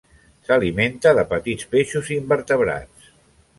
S'alimenta de petits peixos i invertebrats.